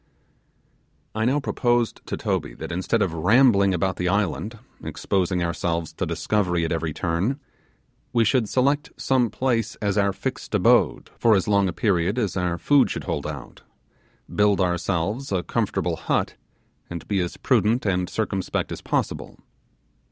I now proposed to Toby that instead of rambling about the island, exposing ourselves to discovery at every turn, we should select some place as our fixed abode for as long a period as our food should hold out, build ourselves a comfortable hut, and be as prudent and circumspect as possible.